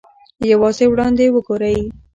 یوازې وړاندې وګورئ.